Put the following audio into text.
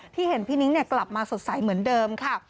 เห็นพี่นิ้งกลับมาสดใสเหมือนเดิมค่ะ